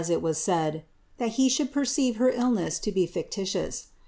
275 ^ that he should perceive her illness to be fictitious."